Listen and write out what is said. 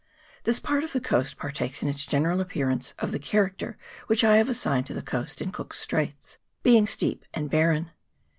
This part of the coast partakes in its general appear ance of the character which I have assigned to the coast in Cook's Straits, being steep and barren.